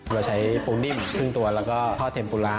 เราใช้ปูนิ่มครึ่งตัวแล้วก็ทอดเทมปูระ